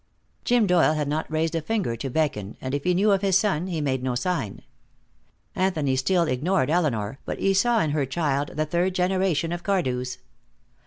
Jim Doyle had not raised a finger to beckon, and if he knew of his son, he made no sign. Anthony still ignored Elinor, but he saw in her child the third generation of Cardews.